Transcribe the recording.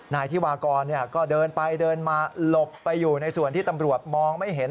นายธิวากรก็เดินไปเดินมาหลบไปอยู่ในส่วนที่ตำรวจมองไม่เห็น